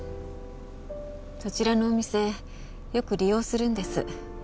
そちらのお店よく利用するんです。